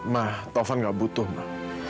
ma taufan nggak butuh ma